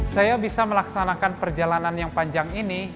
saya bisa melaksanakan perjalanan yang panjang ini